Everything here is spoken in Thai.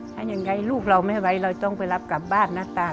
ถ้ายังไงลูกเราไม่ไหวเราต้องไปรับกลับบ้านนะตา